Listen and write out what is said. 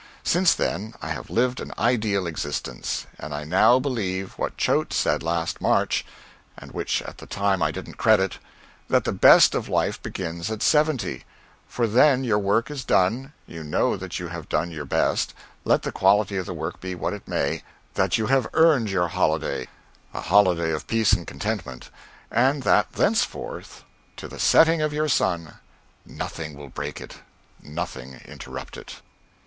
Since then, I have lived an ideal existence; and I now believe what Choate said last March, and which at the time I didn't credit: that the best of life begins at seventy; for then your work is done; you know that you have done your best, let the quality of the work be what it may; that you have earned your holiday a holiday of peace and contentment and that thenceforth, to the setting of your sun, nothing will break it, nothing interrupt it.